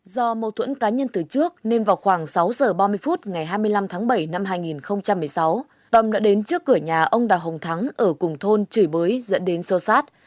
do mâu thuẫn cá nhân từ trước nên vào khoảng sáu giờ ba mươi phút ngày hai mươi năm tháng bảy năm hai nghìn một mươi sáu tâm đã đến trước cửa nhà ông đào hồng thắng ở cùng thôn chửi bới dẫn đến sâu sát